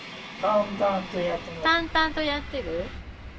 淡々とやってる？